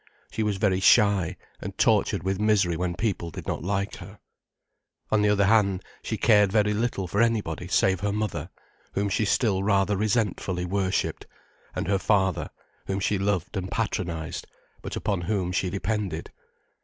She was very shy, and tortured with misery when people did not like her. On the other hand, she cared very little for anybody save her mother, whom she still rather resentfully worshipped, and her father, whom she loved and patronized, but upon whom she depended.